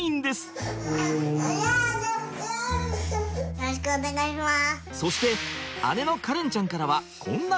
よろしくお願いします。